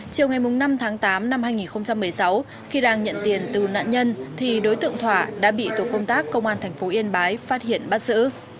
chiều ngày năm tháng tám năm hai nghìn một mươi sáu khi đang nhận tiền từ nạn nhân thì đối tượng thỏa đã bị tổ công tác công an tp yên bái phát hiện bắt giữ